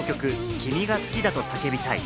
『君が好きだと叫びたい』。